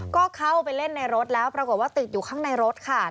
ก็เข้าไปเล่นในรถแล้วปรากฏว่าติดอยู่ข้างในรถค่ะ